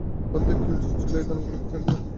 তাদের কি উচিত ছিল দানবগুলোকে ছেড়ে দেয়া?